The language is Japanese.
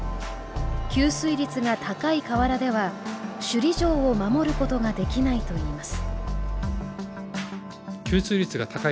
吸水率が高い瓦では首里城を守ることができないといいます